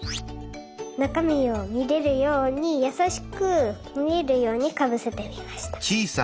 なかみをみれるようにやさしくみえるようにかぶせてみました。